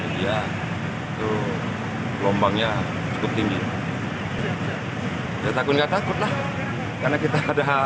gelombangnya cukup tinggi takut takut lah karena kita